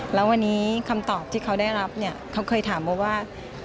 แล้ววันนี้คำตอบที่เขาได้รับเนี่ยเขาเคยถามโบว่า